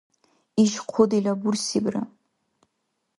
Иш хъу дила бурсибра!